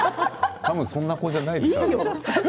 多分、そんな子じゃないよ。